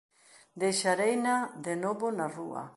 Deixareina de novo na rúa!"